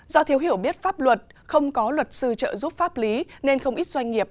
do thiếu hiểu biết pháp luật không có luật sư trợ giúp pháp lý nên không ít doanh nghiệp